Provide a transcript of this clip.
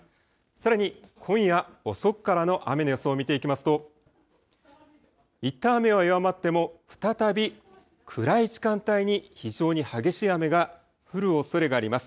さらに今夜遅くからの雨の予想を見ていきますと、いったん雨は弱まっても再び暗い時間帯に非常に激しい雨が降るおそれがあります。